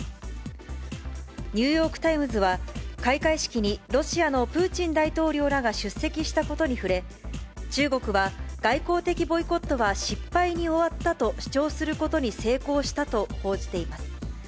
ニューヨークタイムズは、開会式にロシアのプーチン大統領らが出席したことに触れ、中国は外交的ボイコットは失敗に終わったと主張することに成功したと報じています。